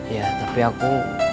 ya tapi aku